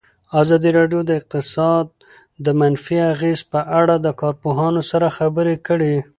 ازادي راډیو د اقتصاد د منفي اغېزو په اړه له کارپوهانو سره خبرې کړي.